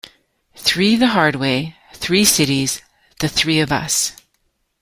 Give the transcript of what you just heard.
"Three the hard way, three cities, the three of us.